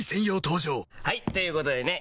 登場はい！ということでね